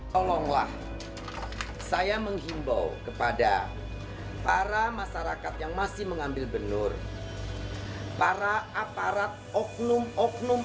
tolonglah saya menghimbau kepada para masyarakat yang masih mengambil benur para aparat oknum oknum